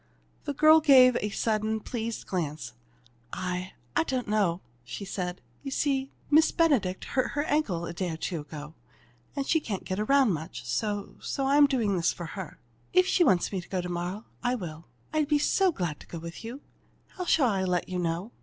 The girl gave her a sudden, pleased glance. "I I don't know," she said. "You see, Miss Benedict hurt her ankle a day or two ago, and she can't get around much, so so I'm doing this for her. If she wants me to go to morrow, I will. I'd be so glad to go with you. How shall I let you know?"